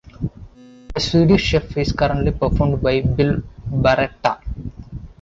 The Swedish Chef is currently performed by Bill Barretta.